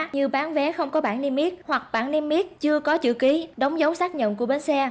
như bán vé không có bảng niêm yết hoặc bản niêm yết chưa có chữ ký đóng dấu xác nhận của bến xe